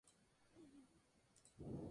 No basta con ser bueno, sino también parecerlo